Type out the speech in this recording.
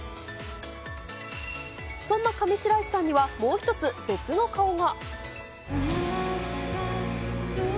そんな上白石さんには、もう一つ別の顔が。